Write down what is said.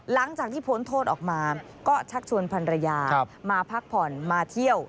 หลังจากที่พ้นโทษออกมาก็ชักชวนพันรยามาพักผ่อนมาเที่ยว